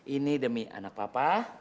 ini demi anak papa